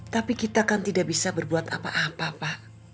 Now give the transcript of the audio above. tapi kita kan tidak bisa berbuat apa apa pak